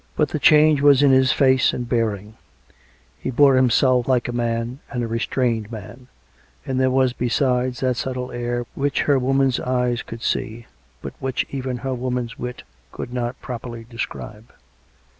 But the change was in his face and bearing; he bore himself like a man, and a restrained man; and there was besides that subtle air which her woman's eyes could see, but which even her woman's wit could not properly describe.